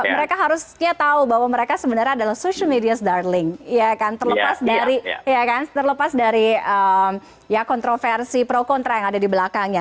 mereka harusnya tahu bahwa mereka sebenarnya adalah social medias darling terlepas dari kontroversi pro kontra yang ada di belakangnya